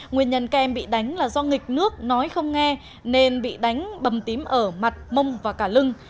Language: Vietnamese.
nguyên nhân kem bị đánh là do nghịch nước nói không nghe nên bị đánh bầm tím ở mặt mông và cả lưng